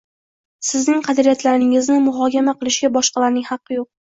Sizning qadriyatlaringizni muhokama qilishga boshqalarning haqqi yo’q